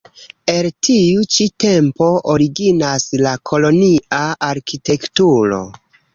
El tiu ĉi tempo originas la kolonia arkitekturo.